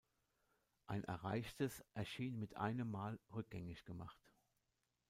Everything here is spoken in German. Ein Erreichtes erschien mit einem Mal rückgängig gemacht.